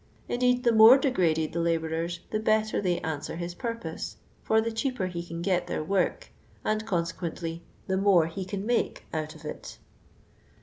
Indeed, the more degraded the labourers, the better they answer his purpose, for the cheaper he can get their work, and conseciuently the more he can make out of it.